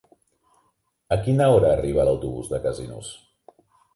A quina hora arriba l'autobús de Casinos?